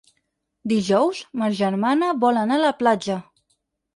Dijous ma germana vol anar a la platja.